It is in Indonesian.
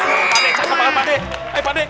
aduh pane cakep pane